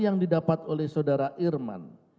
yang didapat oleh saudara irman